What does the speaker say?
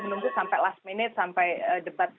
menunggu sampai last minute sampai debat